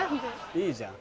いいじゃん。